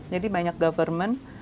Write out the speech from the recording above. jadi banyak government